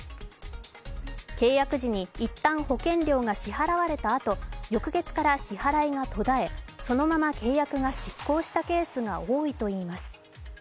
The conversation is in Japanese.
契約時に一旦保険料が支払われたあと翌月から支払いが途絶えそのまま契約が失効したケースが多いといいます。